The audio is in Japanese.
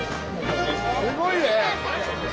すごいね。